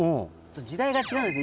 時代が違うんですね。